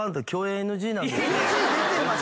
ＮＧ出てました？